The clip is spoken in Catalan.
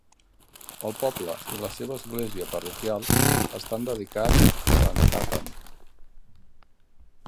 El poble i la seva església parroquial estan dedicats a sant Tathan.